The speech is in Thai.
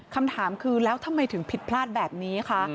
คำถามคือแล้วทำไมถึงผิดพลาดแบบนี้คะ